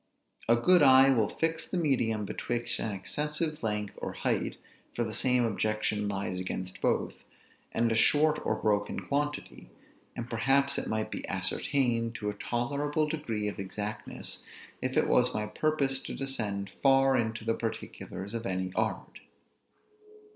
A good eye will fix the medium betwixt an excessive length or height (for the same objection lies against both), and a short or broken quantity: and perhaps it might be ascertained to a tolerable degree of exactness, if it was my purpose to descend far into the particulars of any art.